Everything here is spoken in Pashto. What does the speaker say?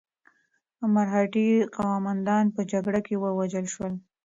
مرهټي قوماندانان په جګړه کې ووژل شول.